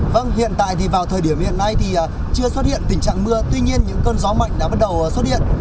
vâng hiện tại thì vào thời điểm hiện nay thì chưa xuất hiện tình trạng mưa tuy nhiên những cơn gió mạnh đã bắt đầu xuất hiện